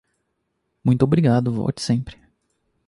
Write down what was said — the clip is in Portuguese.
Muito obrigado volte sempre.